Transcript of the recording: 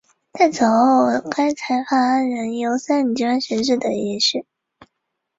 毛茎水蜡烛为唇形科水蜡烛属下的一个种。